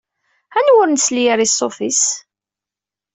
Anwa ur nesli ara i ṣṣut-is?